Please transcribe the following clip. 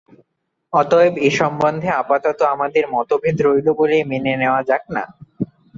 অতএব এ সম্বন্ধে আপাতত আমাদের মতভেদ রইল বলেই মেনে নেওয়া যাক-না।